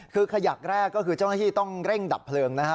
คือขยักแรกก็คือเจ้าหน้าที่ต้องเร่งดับเพลิงนะฮะ